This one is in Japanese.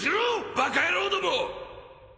バカ野郎ども！